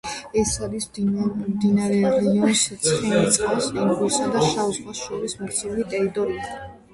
ეს არის მდინარე რიონს, ცხენისწყალს, ენგურსა და შავ ზღვას შორის მოქცეული ტერიტორია.